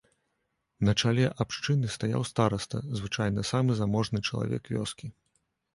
На чале абшчыны стаяў стараста, звычайна самы заможны чалавек вёскі.